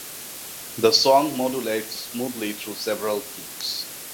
The song modulates smoothly through several keys.